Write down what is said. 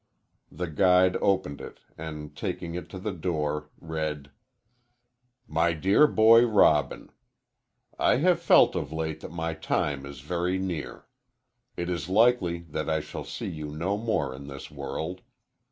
The guide opened it and, taking it to the door, read: MY DEAR BOY ROBIN: I have felt of late that my time is very near. It is likely that I shall see you no more in this world.